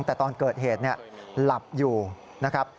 แต่ตอนเกิดเหตุหลับอยู่นะครับ